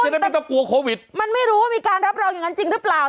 ไม่ต้องกลัวโควิดมันไม่รู้ว่ามีการรับรองอย่างนั้นจริงหรือเปล่า